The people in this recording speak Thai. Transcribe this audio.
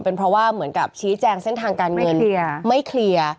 เป็นเพราะว่าเหมือนกับชี้แจงเส้นทางการเงินไม่เคลียร์